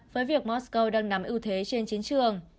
với việc moscow đang nắm ưu thế trên chiến trường